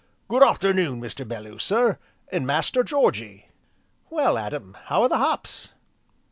"Good arternoon, Mr. Belloo sir, an' Master Georgy!" "Well, Adam, how are the hops?"